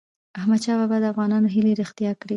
احمدشاه بابا د افغانانو هیلې رښتیا کړی.